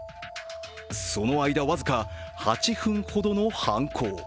その間、わずか８分ほどの犯行。